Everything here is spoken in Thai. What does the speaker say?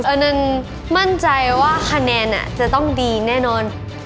อันนั้นมั่นใจว่าคะแนนจะต้องดีแน่นอน